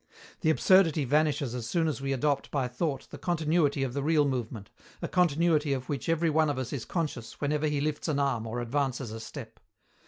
The absurdity vanishes as soon as we adopt by thought the continuity of the real movement, a continuity of which every one of us is conscious whenever he lifts an arm or advances a step.